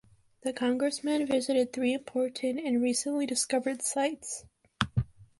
The congressmen visited three important and recently discovered sites.